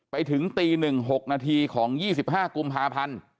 ไปถึงตี๑๖นาทีของ๒๕กุมภาพันธ์